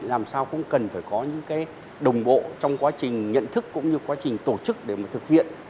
làm sao cũng cần phải có những cái đồng bộ trong quá trình nhận thức cũng như quá trình tổ chức để mà thực hiện